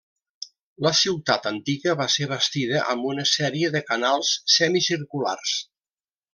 La ciutat antiga va ser bastida amb una sèrie de canals semicirculars.